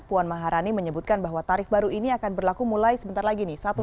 puan maharani menyebutkan bahwa tarif baru ini akan berlaku mulai sebentar lagi nih